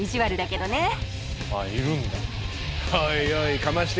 いるんだ。